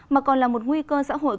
mà còn là một nguy cơ xã hội